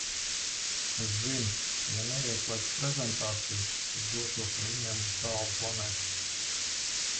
Es zinu – ja neieslēgšu prezentāciju, tad došos ar viņiem uz tālu planētu.